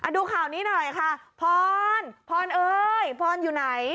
ดูข่าวนี้หน่อยค่ะพรพรเอ้ยพรอยู่ไหน